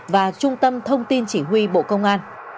và trung tâm thông tin chỉ huy bộ công an